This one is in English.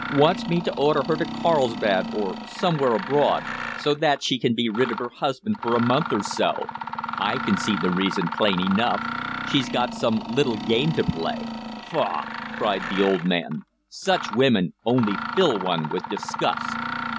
Wants me to order her to Carlsbad or somewhere abroad so that she can be rid of her husband for a month or so. I can see the reason plain enough. She's got some little game to play. Faugh!" cried the old man, "such women only fill one with disgust."